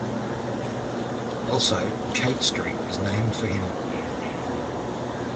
Also, Cate Street is named for him.